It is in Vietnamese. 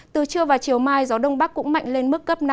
từ trưa và chiều mai gió đông bắc cũng mạnh lên mức cấp năm